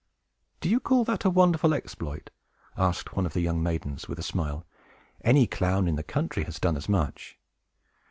"Do you call that a wonderful exploit?" asked one of the young maidens, with a smile. "Any clown in the country has done as much!"